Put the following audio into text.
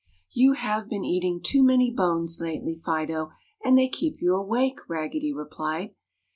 "You have been eating too many bones lately, Fido, and they keep you awake," Raggedy replied.